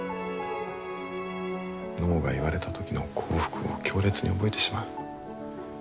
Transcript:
脳が言われた時の幸福を強烈に覚えてしまう。